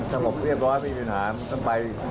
พี่ดินหาต้องไปที่สุดท้องก็ไม่ได้ตั้งใจอยู่วันนี้ขนาดนี้หรอก